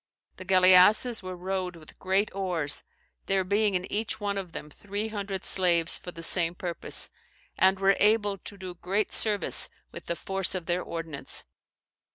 The galliasses were rowed with great oares, there being in eche one of them 300 slaves for the same purpose and were able to do great service with the force of their ordinance.